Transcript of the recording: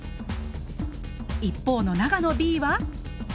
一方の長野Ｂは。